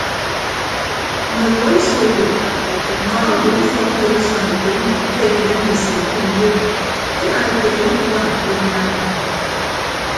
Mme ọwuọ iso owo ñkọrọ mbon ufọkutom usuan mbʌk ke ekebe ndise ke uyo emaekeene ediwana ke edinam ami.